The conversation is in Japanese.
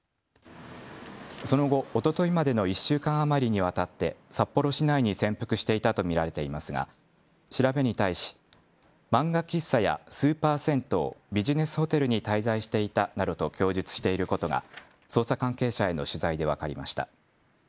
その後おとといまでの１週間余りにわたって札幌市内に潜伏していたと見られていますが調べに対し漫画喫茶やスーパー銭湯、ビジネスホテルに滞在していたなどと供述していることが捜査関係者への取材で分かりました。